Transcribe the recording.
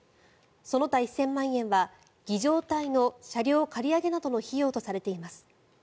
その他１０００万円は儀仗隊の車両借り上げなどの費用とされています。